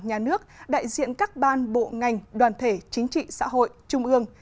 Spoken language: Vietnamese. nhà nước đại diện các ban bộ ngành đoàn thể chính trị xã hội trung ương